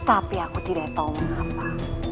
tapi aku tidak tahu apa